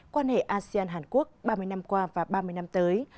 quan hệ asean hàn quốc ba mươi năm qua và ba mươi năm tới